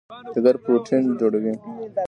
جګر پروټین جوړوي.